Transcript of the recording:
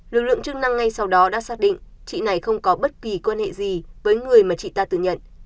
lực lượng chức năng ngay sau đó đã xác định chị này không có bất kỳ quan hệ gì với người mà chị ta tự nhận